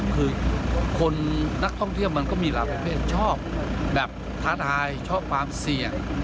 คือคนนักท่องเที่ยวมันก็มีหลายประเภทชอบแบบท้าทายชอบความเสี่ยง